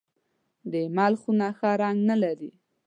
د اېمل خونه ښه رنګ نه لري .